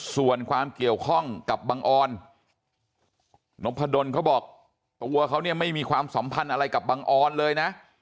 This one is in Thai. ส่วนความเกี่ยวข้องกับบังออนนพดลเขาบอกตัวเขาเนี่ยไม่มีความสัมพันธ์อะไรกับบังออนเลยนะ